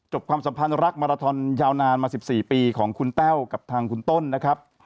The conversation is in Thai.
ความสัมพันธ์รักมาราทอนยาวนานมา๑๔ปีของคุณแต้วกับทางคุณต้นนะครับ